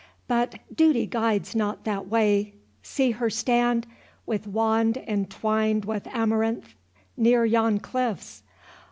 — But duty guides not that way—see her stand, With wand entwined with amaranth, near yon cliffs.